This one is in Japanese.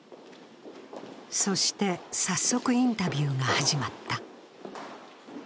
そして早速、インタビューが始まった。